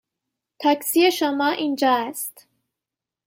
تاکسی شما اینجا است.